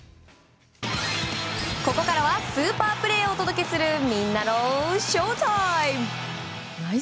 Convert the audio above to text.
ここからはスーパープレーをお届けするみんなのＳＨＯＷＴＩＭＥ！